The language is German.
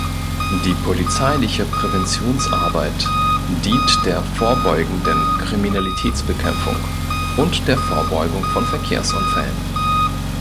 Die polizeiliche Präventionsarbeit dient der vorbeugenden Kriminalitätsbekämpfung und der Vorbeugung von Verkehrsunfällen.